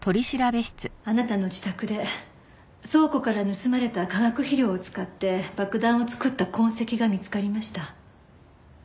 あなたの自宅で倉庫から盗まれた化学肥料を使って爆弾を作った痕跡が見つかりました。